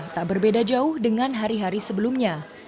tak berbeda jauh dengan hari hari sebelumnya